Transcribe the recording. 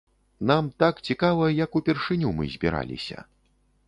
Нам так цікава, як упершыню мы збіраліся.